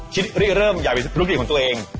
รีบเริ่มอยากเป็นธุรกิจของตัวเอง